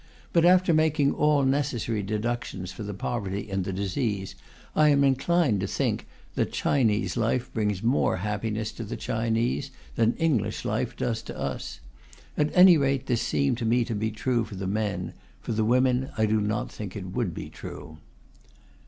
But after making all necessary deductions for the poverty and the disease, I am inclined to think that Chinese life brings more happiness to the Chinese than English life does to us. At any rate this seemed to me to be true for the men; for the women I do not think it would be true.